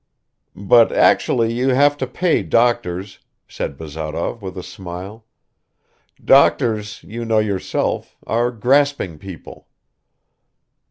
"But actually you have to pay doctors," said Bazarov with a smile. "Doctors, you know yourself, are grasping people."